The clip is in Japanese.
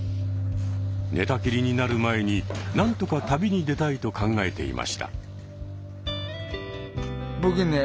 寝たきりになる前になんとか旅に出たいと考えていました。